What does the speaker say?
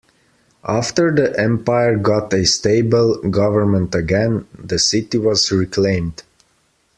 After the empire got a stable government again, the city was reclaimed.